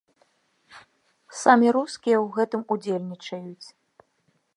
Самі рускія ў гэтым удзельнічаюць.